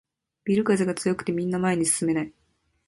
ビル風が強くてみんな前に進めない